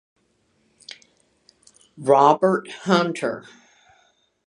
Robert Hunter.